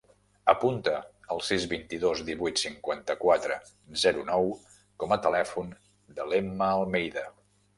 Apunta el sis, vint-i-dos, divuit, cinquanta-quatre, zero, nou com a telèfon de l'Emma Almeida.